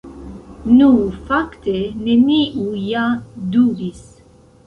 Nu, fakte, neniu ja dubis.